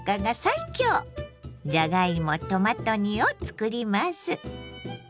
じゃがいもトマト煮をつくります。